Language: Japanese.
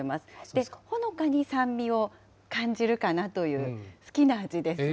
で、ほのかに酸味を感じるかなと好きな味。